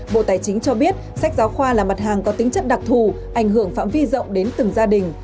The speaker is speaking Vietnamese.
bộ tài chính cho biết sách giáo khoa là mặt hàng có tính chất đặc thù ảnh hưởng phạm vi rộng đến từng gia đình